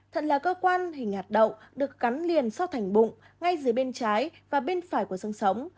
thận là cơ quan hình hạt đậu được cắn liền so sánh bụng ngay dưới bên trái và bên phải của sân sống